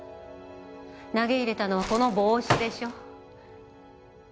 投げ入れたのはこの帽子でしょ？